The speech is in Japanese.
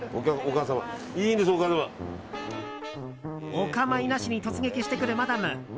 お構いなしに突撃してくるマダム。